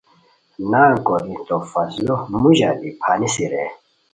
نگہ کورا تو فصلو موژا بی پھاݰینی رے